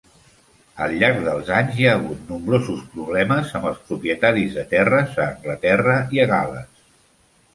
Al llarg dels anys, hi ha hagut nombrosos problemes amb els propietaris de terres a Anglaterra i a Gal·les.